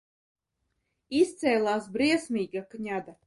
Izcēlās briesmīga kņada!